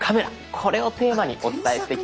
これをテーマにお伝えしていきたいと思います。